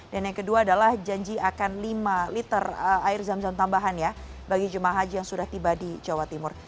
dan yang kedua adalah janji akan lima liter air zam zam tambahan ya bagi jemaah haji yang sudah tiba di jawa timur